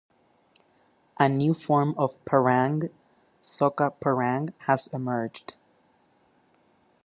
A new form of parang, soca parang, has emerged.